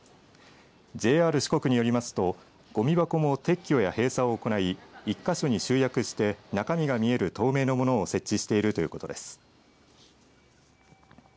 ＪＲ四国によりますとごみ箱も撤去や閉鎖を行い１か所に集約して中身が見える透明のものを設置しているということです。